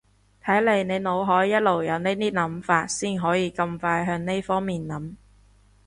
睇嚟你腦海一路有呢啲諗法先可以咁快向呢方面諗